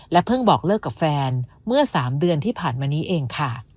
เพิ่งบอกเลิกกับแฟนเมื่อ๓เดือนที่ผ่านมานี้เองค่ะ